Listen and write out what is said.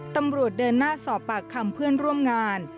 ตำรวจเดินหน้าสอบปากคำเพื่อนร่วมงาน